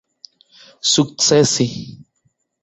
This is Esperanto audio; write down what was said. sukcesi